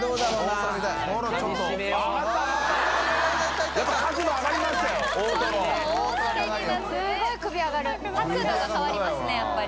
松田）角度が変わりますねやっぱり。